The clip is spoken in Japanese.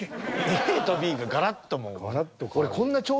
ＡとＢがガラッともう。